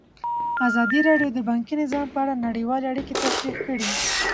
ازادي راډیو د بانکي نظام په اړه نړیوالې اړیکې تشریح کړي.